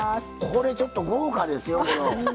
これちょっと豪華ですよ。